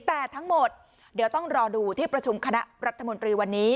แต่ทั้งหมดเดี๋ยวต้องรอดูที่ประชุมคณะรัฐมนตรีวันนี้